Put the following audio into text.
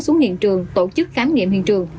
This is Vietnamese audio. xuống hiện trường tổ chức khám nghiệm hiện trường